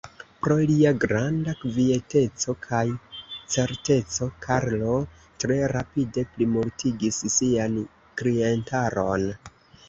Pro lia granda kvieteco kaj certeco, Karlo tre rapide plimultigis sian klientaron.